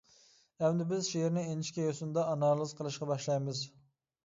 ئەمدى بىز شېئىرنى ئىنچىكە يوسۇندا ئانالىز قىلىشقا باشلايمىز.